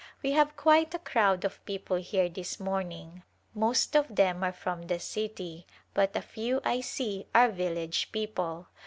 We have quite a crowd of people here this morn ing ; most of them are from the city, but a i^^^ I see, are village people.